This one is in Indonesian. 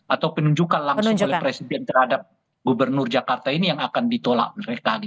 atau penunjukan langsung oleh presiden terhadap gubernur jakarta ini yang akan ditolak mereka